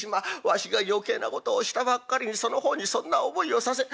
わしが余計なことをしたばっかりにその方にそんな思いをさせ。